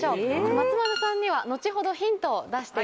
松丸さんには後ほどヒントを出していただきます。